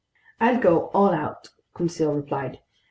"I'll go all out," Conseil replied.